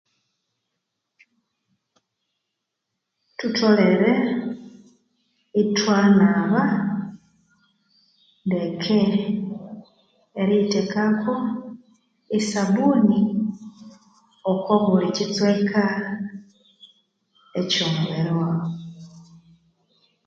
Thutholere ithwanaba ndeke eriyithekako asabuni okubulikitsweka ekyomubiri waghu